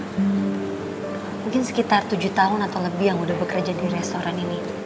mungkin sekitar tujuh tahun atau lebih yang udah bekerja di restoran ini